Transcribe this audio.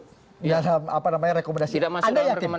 tidak masuk dalam rekomendasi